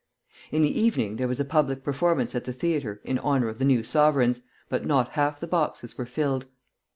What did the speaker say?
In the evening there was a public performance at the theatre in honor of the new sovereigns, but not half the boxes were filled.